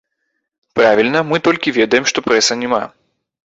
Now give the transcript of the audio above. Правільна, мы толькі ведаем, што прэса няма.